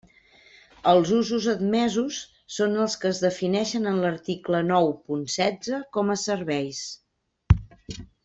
Els usos admesos són els que es defineixen en l'article nou punt setze com a serveis.